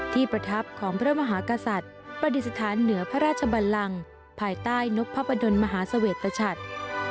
ประทับของพระมหากษัตริย์ประดิษฐานเหนือพระราชบันลังภายใต้นกพระประดนมหาเสวตชัด